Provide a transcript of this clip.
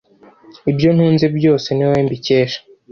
ibyo ntunze byose, ni wowe mbikesha